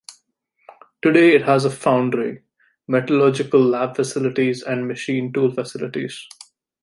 Today it has a foundry, metallurgical lab facilities, and machine tool facilities.